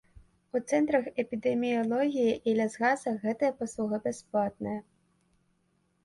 У цэнтрах эпідэміялогіі і лясгасах гэтая паслуга бясплатная.